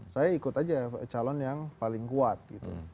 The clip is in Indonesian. saya ikut aja calon yang paling kuat gitu